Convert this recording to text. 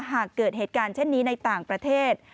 หากเกิดเหตุการณ์เช่นนี้ในต่างประเทศ